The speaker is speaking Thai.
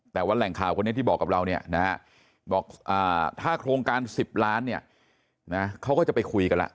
แต่ว่าแหล่งข่าวคนนี้ที่บอกกับเราเนี่ยนะฮะบอกถ้าโครงการ๑๐ล้านเนี่ยนะเขาก็จะไปคุยกันแล้ว